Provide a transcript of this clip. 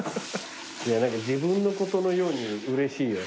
何か自分のことのようにうれしいよ。